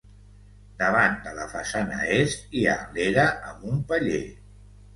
Davant de la façana est hi ha l'era amb un paller.